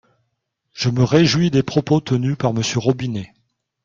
Je me réjouis des propos tenus par Monsieur Robinet.